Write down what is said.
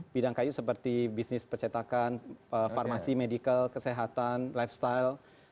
bidang kayu seperti bisnis percetakan farmasi medical kesehatan lifestyle